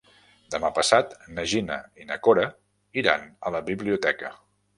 Demà passat na Gina i na Cora iran a la biblioteca.